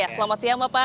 selamat siang bapak